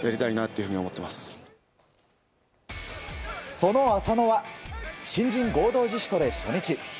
その浅野は新人合同自主トレ初日。